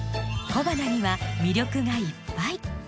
小花には魅力がいっぱい。